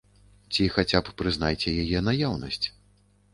Ці хаця б прызнайце яе наяўнасць.